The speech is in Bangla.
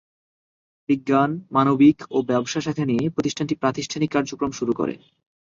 বিজ্ঞান, মানবিক ও ব্যবসা শাখা নিয়ে প্রতিষ্ঠানটি প্রাতিষ্ঠানিক কার্যক্রম শুরু করে।